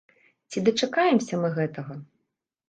Ці дачакаемся мы гэтага?